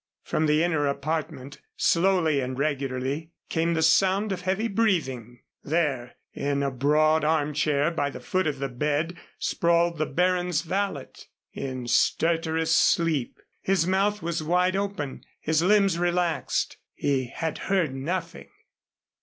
From the inner apartment, slowly and regularly, came the sound of heavy breathing. There, in a broad armchair by the foot of the bed, sprawled the baron's valet, in stertorous sleep. His mouth was wide open, his limbs relaxed. He had heard nothing.